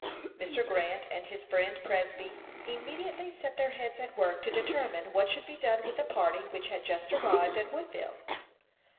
Mr. Grant and his friend Presby immediately set their heads at work to determine what should be done with the party which had just arrived at Woodville.